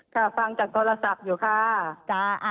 ฟังจากโทรศัพท์อยู่ค่ะ